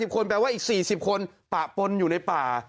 คนแปลว่าอีก๔๐คนปะปนอยู่ในป่า